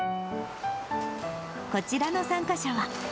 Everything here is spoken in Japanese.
こちらの参加者は。